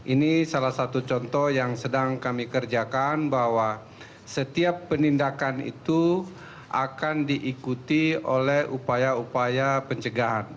ini salah satu contoh yang sedang kami kerjakan bahwa setiap penindakan itu akan diikuti oleh upaya upaya pencegahan